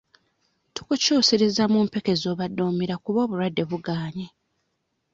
Tukukyusirizza mu mpeke z'obadde omira kuba obulwadde bugaanye.